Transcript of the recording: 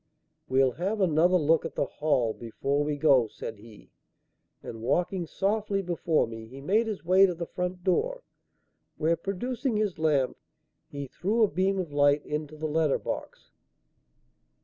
"We'll have another look at the hall before we go," said he; and, walking softly before me, he made his way to the front door, where, producing his lamp, he threw a beam of light into the letter box.